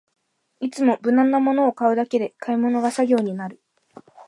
いつも無難なものを買うだけで買い物が作業になる